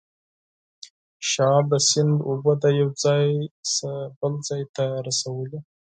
شال د سیند اوبه د یو ځای څخه بل ځای ته رسولې.